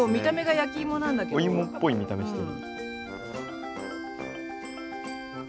お芋っぽい見た目してる。